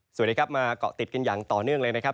สวัสดีครับมาเกาะติดกันอย่างต่อเนื่องเลยนะครับ